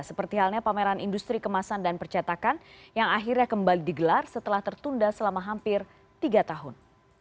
seperti halnya pameran industri kemasan dan percetakan yang akhirnya kembali digelar setelah tertunda selama hampir tiga tahun